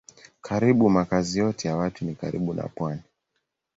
Karibu makazi yote ya watu ni karibu na pwani.